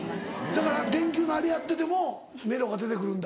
せやから電球のあれやっててもメロが出てくるんだ。